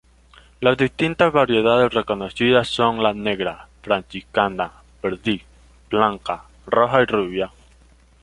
Las distintas variedades reconocidas son la negra, franciscana, perdiz, blanca, roja y rubia.